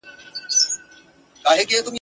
چي د مطرب له خولې مي نوم چا پېژندلی نه دی ..